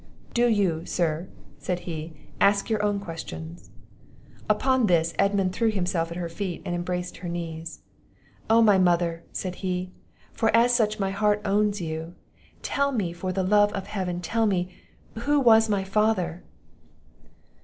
"Do you, sir," said he, "ask your own questions." Upon this, Edmund threw himself at her feet, and embraced her knees. "O my mother!" said he, "for as such my heart owns you, tell me for the love of Heaven! tell me, who was my father?"